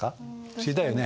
知りたいよね。